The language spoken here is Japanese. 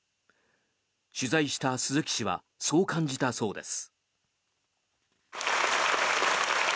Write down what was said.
取材した鈴木氏はそう感じたそうです。